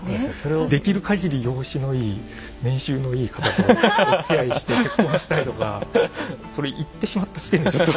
できるかぎり容姿のいい年収のいい方とおつきあいして結婚したいとかそれ言ってしまった時点でちょっと。